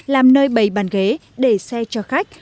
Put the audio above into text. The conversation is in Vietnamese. làm nơi bầy bàn ghế để xe cho khách